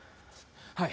はい。